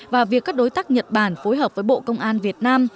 và việc các đối tác nhật bản phối hợp với bộ công an việt nam